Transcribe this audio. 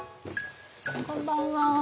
こんばんは。